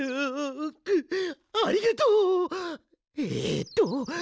うありがとう！